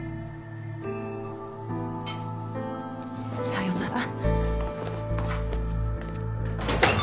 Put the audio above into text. さようなら。